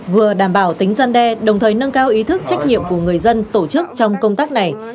vừa đảm bảo tính gian đe đồng thời nâng cao ý thức trách nhiệm của người dân tổ chức trong công tác này